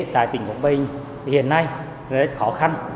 tại tỉnh quảng bình hiện nay rất khó khăn